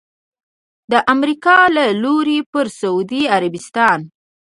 د امریکا له لوري پر سعودي عربستان